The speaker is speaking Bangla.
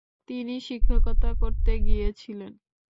তিনি শিক্ষকতা করে গিয়েছিলেন।